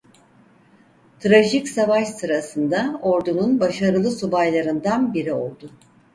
Trajik savaş sırasında ordunun başarılı subaylarından biri oldu.